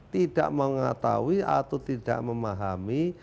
tidak mengetahui atau tidak memahami